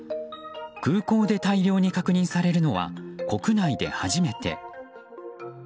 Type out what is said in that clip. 空港で大量に確認されるのは国内で初めて。